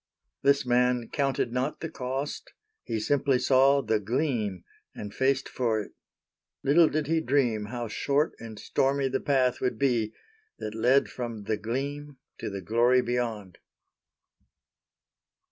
This man counted not the cost; he simply saw the Gleam and faced for it. Little did he dream how short and stormy the path would be that led from the Gleam to the Glory beyond.